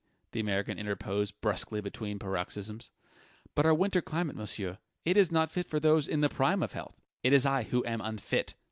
the American interposed brusquely between paroxysms. "But our winter climate, monsieur it is not fit for those in the prime of health " "It is I who am unfit!"